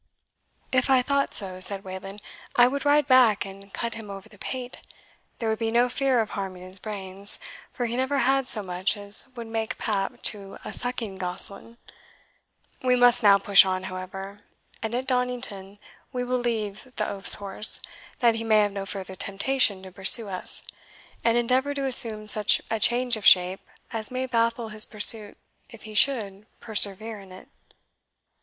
"If I thought so," said Wayland, "I would ride back and cut him over the pate; there would be no fear of harming his brains, for he never had so much as would make pap to a sucking gosling. We must now push on, however, and at Donnington we will leave the oaf's horse, that he may have no further temptation to pursue us, and endeavour to assume such a change of shape as may baffle his pursuit if he should persevere in it."